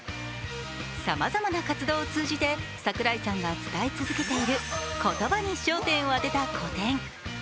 さまざまな活動を通じて櫻井さんが伝え続けている「言葉」に焦点を当てた個展。